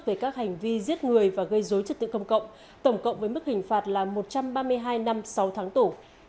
về các hành vi giết người và gây dối trật tự công cộng tổng cộng với mức hình phạt là một trăm ba mươi hai năm sáu tháng tù